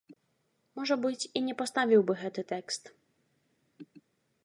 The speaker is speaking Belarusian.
Можа быць, і не паставіў бы гэты тэкст.